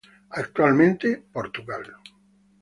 Actualmente, Portugal.